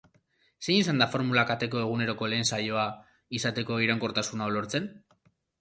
Zein izan da formula kateko eguneroko lehen saioa izateko iraunkortasun hau lortzen?